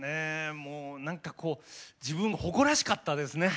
もう何かこう自分誇らしかったですね。